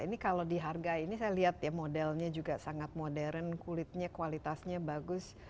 ini kalau di harga ini saya lihat ya modelnya juga sangat modern kulitnya kualitasnya bagus